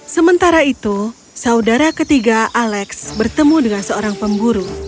sementara itu saudara ketiga alex bertemu dengan seorang pemburu